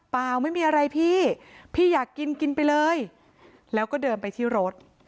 เปล่าไม่มีอะไรพี่พี่อยากกินกินไปเลยแล้วก็เดินไปที่รถ